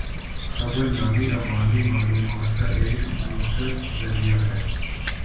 خبرنامے عوامی معلومات کا ایک مؤثر ذریعہ ہیں۔